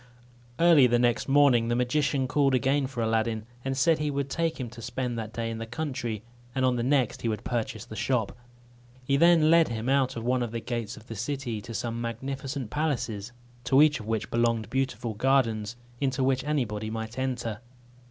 Early the next morning the magician called again for Aladdin, and said he would take him to spend that day in the country, and on the next he would purchase the shop. He then led him out at one of the gates of the city, to some magnificent palaces, to each of which belonged beautiful gardens, into which anybody might enter.